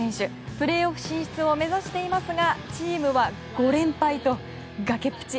プレーオフ進出を目指していますがチームは５連敗と崖っぷち。